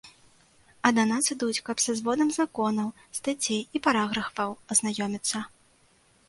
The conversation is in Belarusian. А да нас ідуць, каб са зводам законаў, стацей і параграфаў азнаёміцца.